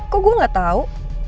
kok gue gak tau